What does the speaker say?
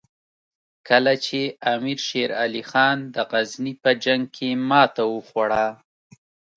کله چې امیر شېر علي خان د غزني په جنګ کې ماته وخوړه.